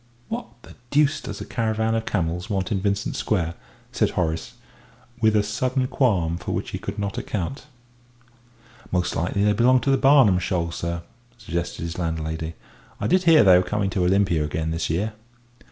"What the deuce does a caravan of camels want in Vincent Square?" said Horace, with a sudden qualm for which he could not account. "Most likely they belong to the Barnum Show, sir," suggested his landlady. "I did hear they were coming to Olympia again this year."